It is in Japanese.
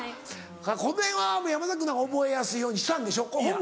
このへんは山崎君なんか覚えやすいようにしたんでしょ？